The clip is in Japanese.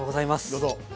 どうぞ。